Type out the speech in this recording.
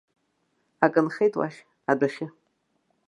Акы нхеит уахь, адәахьы.